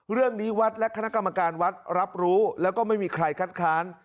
เรื่องนี้วัดและคณะกรรมการวัดรับรู้แล้วก็ไม่มีใครคัดค้าน